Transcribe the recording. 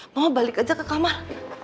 mau balik aja ke kamar